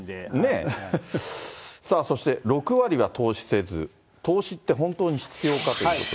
さあ、そして６割が投資せず、投資って本当に必要かということで。